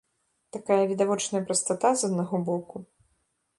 Такая відавочная прастата з аднаго боку.